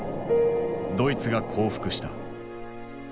ドイツが降伏した。